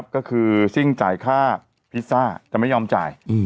ผมผมเสียงเงินมาพี่สองแสนล้านครบสองแสนล้านชาติ